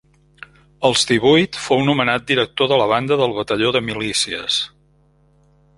Als divuit fou nomenat director de la Banda del Batalló de Milícies.